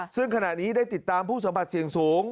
ซึ่งขณะนี้ได้ติดตามผู้สัมผัสเสี่ยงสูง